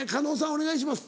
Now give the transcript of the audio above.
お願いします。